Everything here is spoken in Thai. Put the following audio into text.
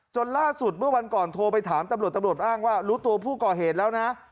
ล่าสุดเมื่อวันก่อนโทรไปถามตำรวจตำรวจอ้างว่ารู้ตัวผู้ก่อเหตุแล้วนะ